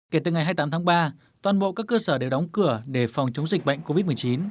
kể từ ngày hai mươi tám tháng ba toàn bộ các cơ sở đều đóng cửa để phòng chống dịch bệnh covid một mươi chín